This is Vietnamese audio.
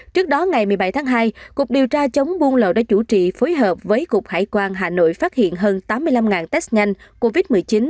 trước đó ngày một mươi bảy tháng hai cục điều tra chống buôn lậu đã chủ trì phối hợp với cục hải quan hà nội phát hiện hơn tám mươi năm test nhanh covid một mươi chín